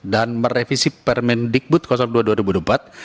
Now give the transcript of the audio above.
dan merevisi permen digbud no dua tahun dua ribu dua puluh empat